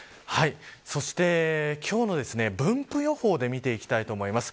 そして、今日の分布予報で見ていきたいと思います。